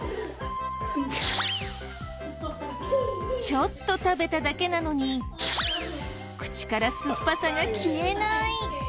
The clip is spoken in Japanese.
ちょっと食べただけなのに口から酸っぱさが消えない！